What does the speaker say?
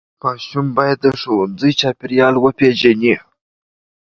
ماشوم باید د ښوونځي چاپېریال وپیژني.